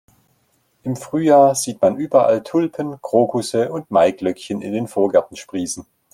Im Frühjahr sieht man überall Tulpen, Krokusse und Maiglöckchen in den Vorgärten sprießen.